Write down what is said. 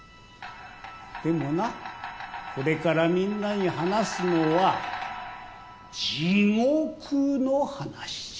でもなこれからみんなに話すのは地獄の話じゃ。